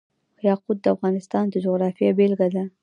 یاقوت د افغانستان د جغرافیې بېلګه ده.